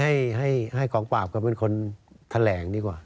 เอาไว้ให้ของปราบกระเป็นคนแถลงดีกว่า